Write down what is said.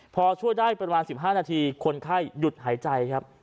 พอช่วยได้ประมาณ๑๕นาทีคนไข้หยุดหายใจครับ